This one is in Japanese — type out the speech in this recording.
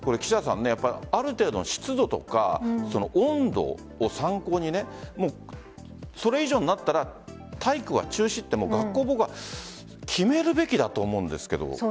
ある程度の湿度とか温度を参考にそれ以上になったら体育は中止って学校が決めるべきだと思うんですけど。